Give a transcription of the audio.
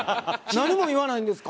何も言わないんですか？